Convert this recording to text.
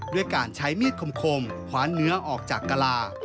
ด้วยการใช้มีดคมคว้านเนื้อออกจากกะลา